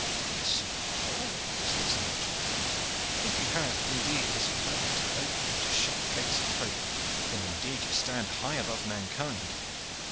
"By Saint Paul!" said Sir Nigel, "if you have indeed this power to open and to shut the gates of hope, then indeed you stand high above mankind.